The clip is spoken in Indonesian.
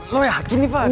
cepetan cepetan ketauan